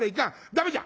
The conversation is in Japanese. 駄目じゃ！」。